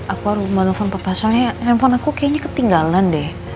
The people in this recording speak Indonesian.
aku harus malu malu handphone papa soalnya handphone aku kayaknya ketinggalan deh